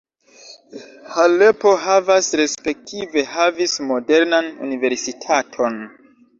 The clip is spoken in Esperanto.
Halepo havas respektive havis modernan universitaton.